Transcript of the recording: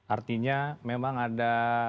artinya memang ada